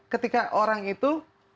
ketika orang itu